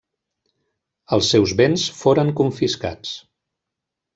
Els seus béns foren confiscats.